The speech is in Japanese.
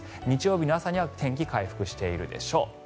日曜日の朝には天気、回復しているでしょう。